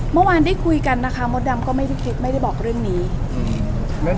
เมื่อวานได้คุยกันนะคะมดดำก็ไม่ได้คิดไม่ได้บอกเรื่องนี้อืม